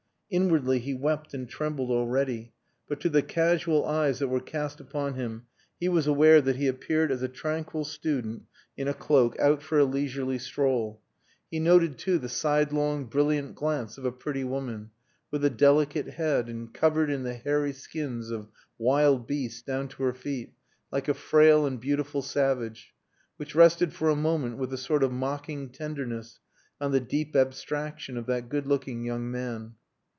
Inwardly he wept and trembled already. But to the casual eyes that were cast upon him he was aware that he appeared as a tranquil student in a cloak, out for a leisurely stroll. He noted, too, the sidelong, brilliant glance of a pretty woman with a delicate head, and covered in the hairy skins of wild beasts down to her feet, like a frail and beautiful savage which rested for a moment with a sort of mocking tenderness on the deep abstraction of that good looking young man.